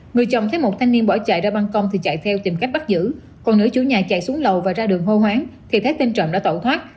người chồng thấy một thanh niên bỏ chạy ra băng con thì chạy theo tìm cách bắt giữ còn nữ chủ nhà chạy xuống lầu và ra đường hô hoáng thì thấy tên trộm đã tẩu thoát